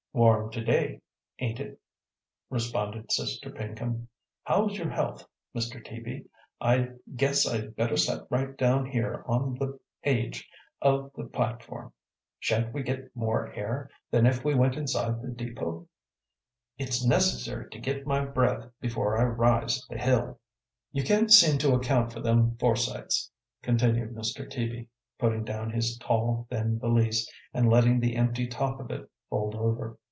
"Warm to day, ain't it?" responded Sister Pinkham. "How's your health, Mr. Teaby? I guess I'd better set right down here on the aidge of the platform; sha'n't we git more air than if we went inside the depot? It's necessary to git my breath before I rise the hill." "You can't seem to account for them foresights," continued Mr. Teaby, putting down his tall, thin valise and letting the empty top of it fold over.